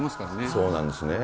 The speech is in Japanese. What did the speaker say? そうなんですね。